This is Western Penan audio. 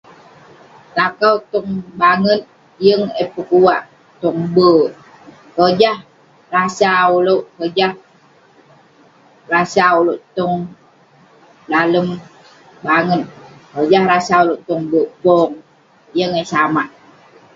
Lakau tong banget yeng eh pekuak tong be'ek. Kojah rasa ulouk- kojah rasa ulouk tong dalem banget, kojah rasa ulouk tong be'ek pong. Yeng eh samak.